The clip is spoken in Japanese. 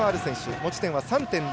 持ち点は３．０。